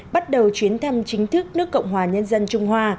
bắt đầu chuyến thăm chính thức nước cộng hòa nhân dân trung hoa